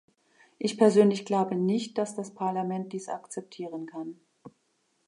Ich persönlich glaube nicht, dass das Parlament dies akzeptieren kann.